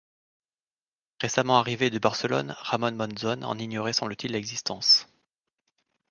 Récemment arrivé de Barcelone, Ramón Monzón en ignorait semble-t-il l'existence.